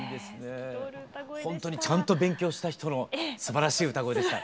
ほんとにちゃんと勉強した人のすばらしい歌声でした。